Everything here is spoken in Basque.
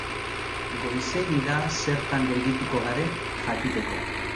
Goizegi da zertan geldituko garen jakiteko.